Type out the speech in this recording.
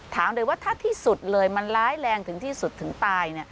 ถามเลยว่าถ้าที่สุดเลยมันร้ายแรงถึงที่สุดถึงตาย